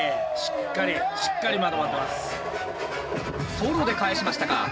ソロで返しましたか。